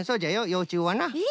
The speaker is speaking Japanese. ようちゅうはな。え。